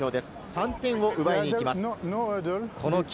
３点を奪いに行きます。